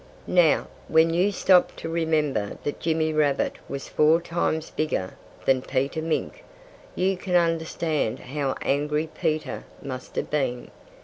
Now, when you stop to remember that Jimmy Rabbit was four times bigger than Peter Mink, you can understand how angry Peter must have been.